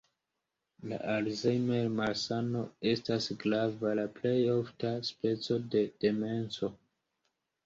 La Alzheimer-malsano estas grava, la plej ofta speco de demenco.